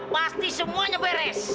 pasti semuanya beres